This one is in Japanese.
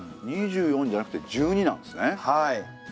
２４じゃなくて１２なんですね。